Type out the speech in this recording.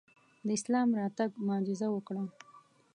د اسلام راتګ معجزه وکړه.